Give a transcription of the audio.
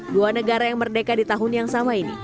dua negara yang merdeka di tahun yang sama ini